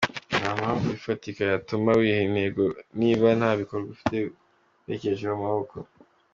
Nta mpamvu ifatika yatuma wiha intego niba nta bikorwa ufite werekejeho amaboko.